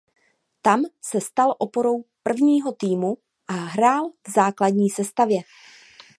Tam se stal oporou prvního týmu a hrál v základní sestavě.